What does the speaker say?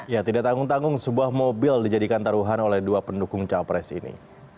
ya tidak tanggung tanggung sebuah mobil dijadikan taruhan oleh dua pendukung capres ini